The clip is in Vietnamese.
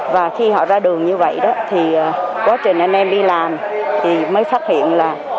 và khi họ ra đường như vậy đó thì quá trình anh em đi làm thì mới phát hiện là